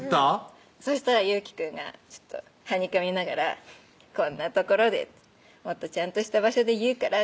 そしたら祐樹くんがはにかみながら「こんな所で」「もっとちゃんとした場所で言うから」